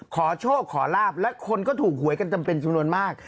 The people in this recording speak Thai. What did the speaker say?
ขอโชคขอลาบและคนก็ถูกหวยกันจำเป็นจำนวนมาก